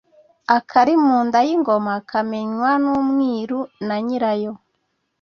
Akari mu nda y’ingoma kamenywa n’umwiru na nyirayo